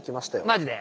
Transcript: マジで？